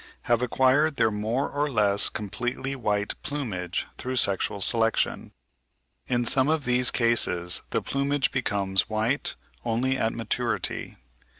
have acquired their more or less completely white plumage through sexual selection. In some of these cases the plumage becomes white only at maturity.